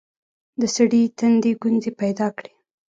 د سړي تندي ګونځې پيدا کړې.